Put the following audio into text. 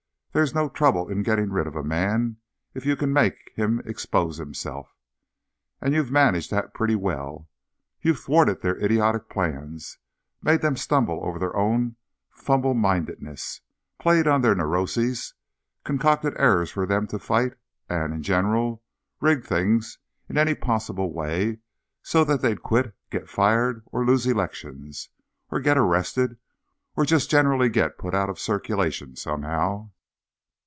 _There's no trouble in getting rid of a man if you can make him expose himself. And you've managed that pretty well. You've thwarted their idiotic plans, made them stumble over their own fumble mindedness, played on their neuroses, concocted errors for them to fight and, in general, rigged things in any possible way so that they'd quit, or get fired, or lose elections, or get arrested, or just generally get put out of circulation somehow.